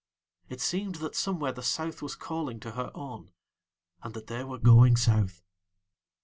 It seemed that somewhere the South was calling to her own, and that they were going South.